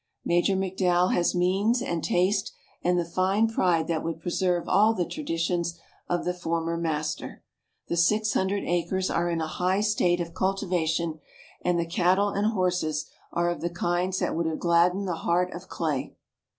Major McDowell has means and taste and the fine pride that would preserve all the traditions of the former master. The six hundred acres are in a high state of cultivation, and the cattle and horses are of the kinds that would have gladdened the heart of Clay.